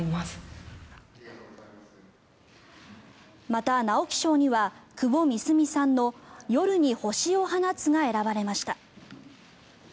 また、直木賞には窪美澄さんの「夜に星を放つ」が選ばれました。